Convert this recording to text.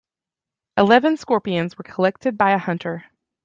Eleven scorpions were collected by a hunter.